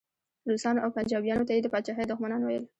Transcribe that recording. روسانو او پنجابیانو ته یې د پاچاهۍ دښمنان ویل.